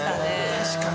確かに。